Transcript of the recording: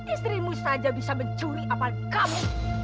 istrimu saja bisa mencuri apa kamu